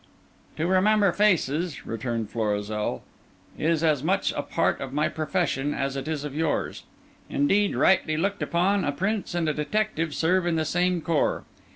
"To remember faces," returned Florizel, "is as much a part of my profession as it is of yours. Indeed, rightly looked upon, a Prince and a detective serve in the same corps.